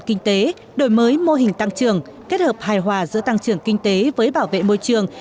kinh tế đổi mới mô hình tăng trường kết hợp hài hòa giữa tăng trưởng kinh tế với bảo vệ môi trường